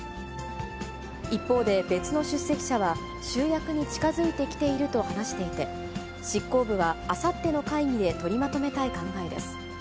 一方で、別の出席者は、集約に近づいてきていると話していて、執行部はあさっての会議で取りまとめたい考えです。